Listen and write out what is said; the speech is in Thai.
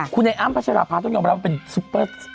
คุณไอ้อ้ำพัชราภาต้องยอมรับว่าเป็นซุปเปอร์ส